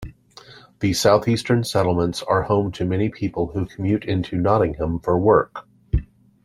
The south-eastern settlements are home to many people who commute into Nottingham for work.